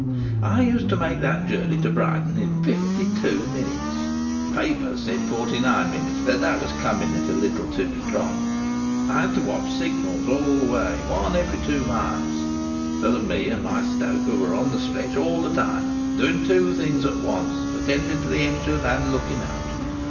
I used to make that journey to Brighton in fifty two minutes. The papers said forty nine minutes, but that was coming it a little too strong. I had to watch signals all the way, one every two miles, so that me and my stoker were on the stretch all the time, doing two things at once—attending to the engine and looking out.